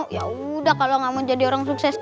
ya udah kalau gak mau jadi orang sukses